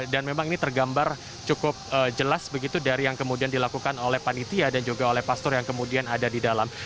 dan memang ini tergambar cukup jelas begitu dari yang kemudian dilakukan oleh panitia dan juga oleh pastor yang kemudian ada di dalam